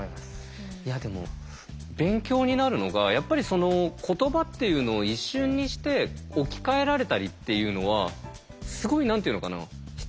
勉強になるのがやっぱり言葉っていうのを一瞬にして置き換えられたりっていうのはすごい必要な能力だと思うんだよね。